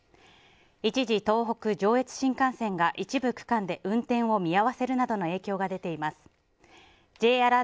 一時東北上越新幹線が一部区間で運転を見合わせるなどの影響が出ています。